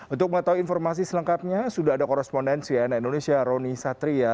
untuk mengetahui informasi selengkapnya sudah ada korespondensi nn indonesia roni satria